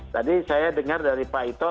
tadi saya dengar dari pak ito